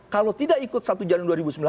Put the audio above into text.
kalau tidak ikut satu januari